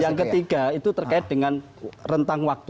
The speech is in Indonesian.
yang ketiga itu terkait dengan rentang waktu